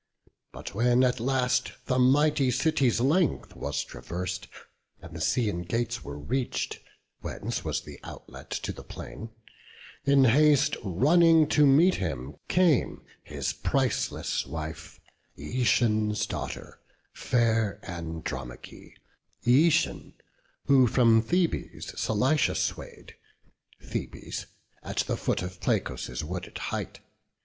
But when at last the mighty city's length Was travers'd, and the Scaean gates were reach'd, Whence was the outlet to the plain, in haste Running to meet him came his priceless wife, Eetion's daughter, fair Andromache; Eetion, who from Thebes Cilicia sway'd, Thebes, at the foot of Placos' wooded heights.